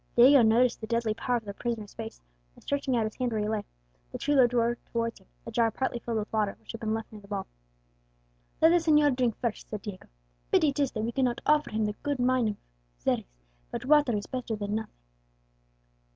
Diego noticed the deadly pallor of the prisoner's face, and stretching out his hand where he lay, the chulo drew towards him a jar partly filled with water, which had been left near the wall. "Let the señor drink first," said Diego. "Pity 'tis that we cannot offer him the good wine of Xeres; but water is better than nothing."